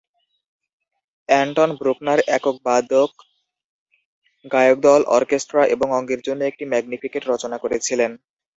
Anton Bruckner এককবাদক, গায়কদল, orchestra এবং অঙ্গের জন্য একটি "ম্যাগনিফিকেট" রচনা করেছিলেন।